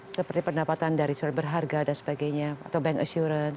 seperti pendapatan dari surat berharga dan sebagainya atau bank assurance